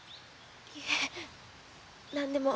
いえ何でも。